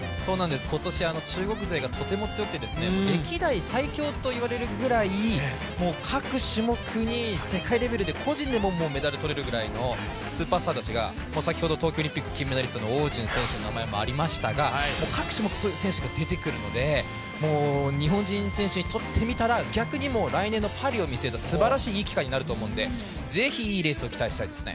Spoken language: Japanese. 今年、中国勢がとても強くて歴代最強といわれるくらい、各種目に世界レベルで個人でもメダル取れるぐらいのスーパースターたちが先ほど東京オリンピック金メダリストの汪順選手の名前がありましたが各種目そういう選手が出てくるので、日本人選手にとってみたら逆に来年のパリを見据えた、すばらしいいい機会になると思うのでぜひいいレースを期待したいですね。